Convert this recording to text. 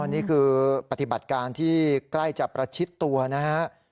นี่คือปฏิบัติการที่ใกล้จะประชิดตัวนะฮะ